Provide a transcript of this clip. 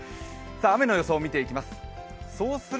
雨の予想を見ていきます。